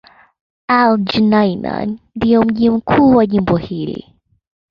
Al-Junaynah ndio mji mkuu wa jimbo hili.